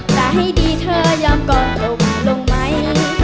จะให้ดีเธอยอมก่อนจบลงไหม